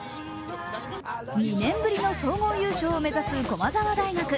２年ぶりの総合優勝を目指す駒澤大学。